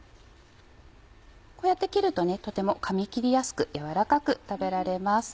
こうやって切るととてもかみ切りやすく軟らかく食べられます。